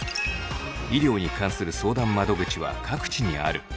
医療に関する相談窓口は各地にある。